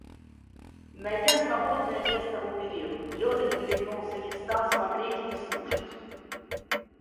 Найдя свободное место у перил, Левин перегнулся и стал смотреть и слушать.